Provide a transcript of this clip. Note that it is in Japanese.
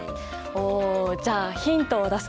おじゃあヒントを出すね。